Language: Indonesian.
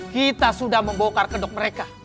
kita sudah membongkar kedok mereka